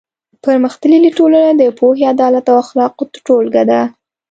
پرمختللې ټولنه د پوهې، عدالت او اخلاقو ټولګه ده.